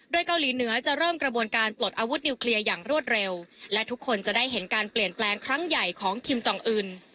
โดยเกาหลีเหนือจะเริ่มกระบวนการปลดอาวุธนิวเคลียร์อย่างรวดเร็วและทุกคนจะได้เห็นการเปลี่ยนแปลงครั้งใหญ่ของคิมจองอื่น